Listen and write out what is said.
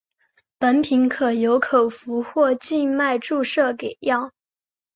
本品可由口服或静脉注射给药。